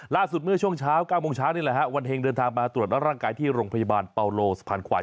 เมื่อช่วงเช้า๙โมงเช้านี่แหละฮะวันเฮงเดินทางมาตรวจร่างกายที่โรงพยาบาลเปาโลสะพานขวาน